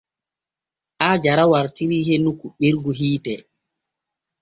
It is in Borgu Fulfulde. Aajara wartirii hennu kuɓɓirgu hiite.